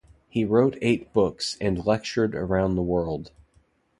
He wrote eight books and lectured around the world.